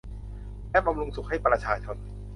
และบำรุงสุขให้ประชาชน